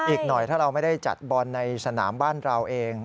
อีกหน่อยถ้าเราไม่ได้จัดบอลในสนามบ้านเราเอง